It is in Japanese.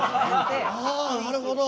はあなるほど。